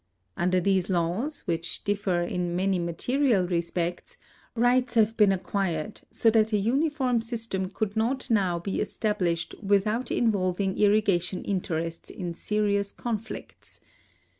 Under these laws, which differ in many material respects, rights have been acquired, so that a uniform system could not now be established without involving irrigation interests in serious conflicts.